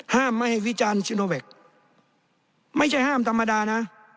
ห้ามไม่ให้วิจารณ์ชิโนแวคไม่ใช่ห้ามธรรมดานะ